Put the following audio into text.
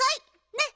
ねっ？